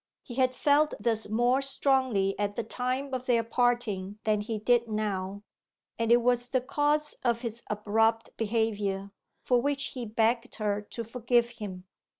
He had felt this more strongly at the time of their parting than he did now and it was the cause of his abrupt behaviour, for which he begged her to forgive him.